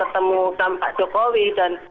ketemu dengan pak jokowi dan